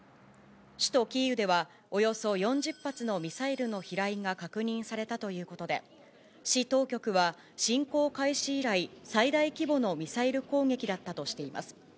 首都キーウではおよそ４０発のミサイルの飛来が確認されたということで、市当局は侵攻開始以来、最大規模のミサイル攻撃だったとしています。